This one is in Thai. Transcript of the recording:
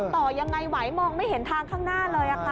ต่อยังไงไหวมองไม่เห็นทางข้างหน้าเลยค่ะ